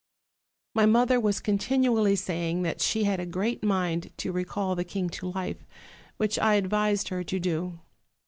"My mother was continually saying that she had a great mind to recall the king to life, which I advised her to do.